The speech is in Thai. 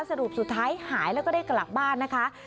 สรุปสุดท้ายหายแล้วก็ได้กลับบ้านนะคะ